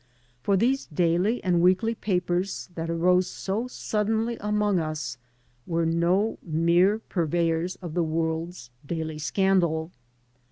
For these daily and weekly papers that arose so suddenly among us were no mere purveyors of the world's daily scandal.